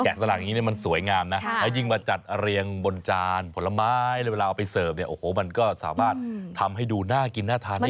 สลักอย่างนี้มันสวยงามนะแล้วยิ่งมาจัดเรียงบนจานผลไม้เลยเวลาเอาไปเสิร์ฟเนี่ยโอ้โหมันก็สามารถทำให้ดูน่ากินน่าทานได้